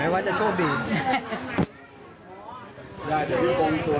มีรางบอกเหตุไหมว่าจะโชว์บีบ